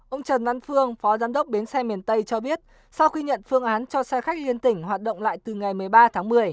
ông trần văn phương phó giám đốc bến xe miền tây cho biết sau khi nhận phương án cho xe khách liên tỉnh hoạt động lại từ ngày một mươi ba tháng một mươi